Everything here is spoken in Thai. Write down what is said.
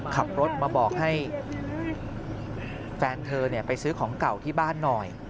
ขับรถมาบอกให้แฟนเธอไปซื้อของเก่าที่บ้านหน่อย